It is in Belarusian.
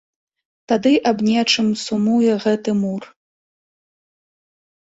Тады аб нечым сумуе гэты мур.